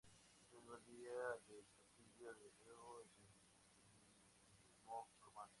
Ese mismo día, Del Campillo delegó en el mismísimo Román.